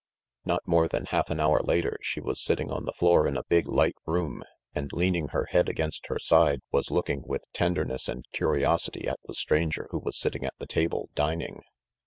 Not more than half an hour later she was sitting on the floor in a big, light room, and, leaning her head against her side, was looking with tenderness and curiosity at the stranger who was sitting at the table, dining.